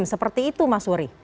seperti itu mas wury